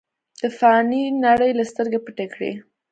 د فانې نړۍ نه سترګې پټې کړې ۔